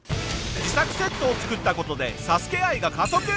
自作セットを作った事でＳＡＳＵＫＥ愛が加速！